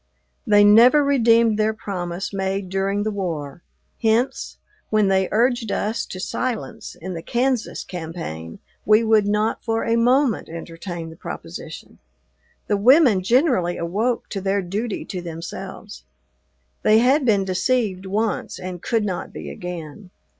They never redeemed their promise made during the War, hence, when they urged us to silence in the Kansas campaign, we would not for a moment entertain the proposition. The women generally awoke to their duty to themselves. They had been deceived once and could not be again.